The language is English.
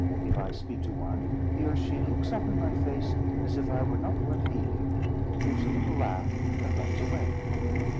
If I speak to one, he or she looks up in my face, as if I were not worth heeding, gives a little laugh, and runs away."